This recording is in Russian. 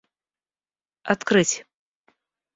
открыть